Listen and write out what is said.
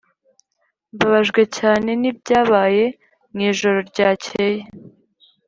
] mbabajwe cyane nibyabaye mu ijoro ryakeye.